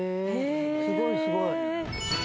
「すごいすごい！」